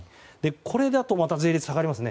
これだとまた税率下がりますね。